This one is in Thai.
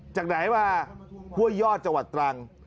จากไหนมาห้วยยอดจังหวัดตรัง